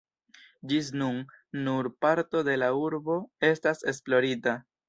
Ĝis nun, nur parto de la urbo estas esplorita.